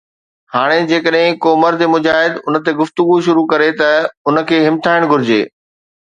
هاڻي جيڪڏهن ڪو مرد مجاهد ان تي ”گفتگو“ شروع ڪري ته ان کي همٿائڻ گهرجي؟